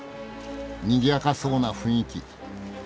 にぎやかそうな雰囲気。